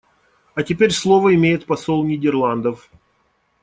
А теперь слово имеет посол Нидерландов.